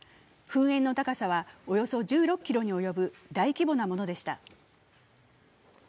噴煙の高さはおよそ１６ｋｍに及ぶ大規模なものでした。